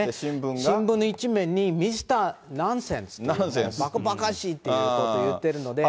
新聞の１面にミスター・ナンセンス、ばかばかしいっていうことをいってるので。